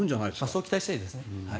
そう期待したいですね。